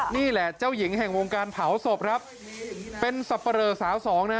นี่แหละเจ้าหญิงแห่งวงการเผาศพครับเป็นสับปะเลอสาวสองนะ